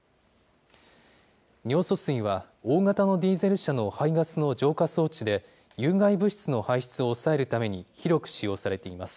尿素水は大型のディーゼル車の排ガスの浄化装置で、有害物質の排出を抑えるために広く使用されています。